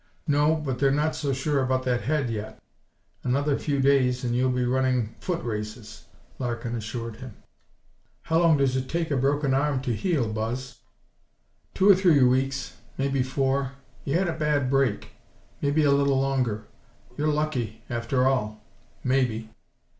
"No, but they're not so sure about that head, yet. Another few days and you'll be running foot races," Larkin assured him. "How long does it take a broken arm to heal, Buzz?" "Two or three weeks maybe four. You had a bad break. Maybe a little longer. You're lucky, after all maybe."